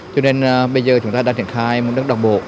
cho nên bây giờ chúng ta đang triển khai một đất đồng bộ